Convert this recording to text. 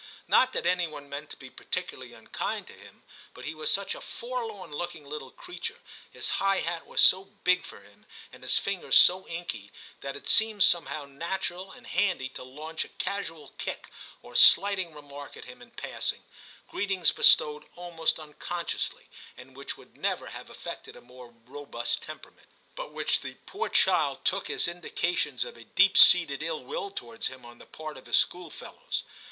Not that any one meant to be particularly unkind to him, but he was such a forlorn looking little creature, his high hat was so big for him, and his fingers so inky, that it seemed somehow natural and handy to launch a casual kick or slighting re mark at him in passing, — greetings bestowed almost unconsciously, and which would never have affected a more robust temperament, but which the poor child took as indications of a deep seated ill will towards him on the part of his schoolfellows.